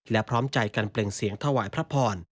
และพร้อมใจกันเปล่งเสียงถวายพระพร